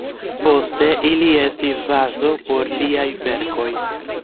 Poste ili estis bazo por liaj verkoj.